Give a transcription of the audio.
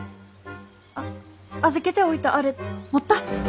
あっ預けておいたアレ持った？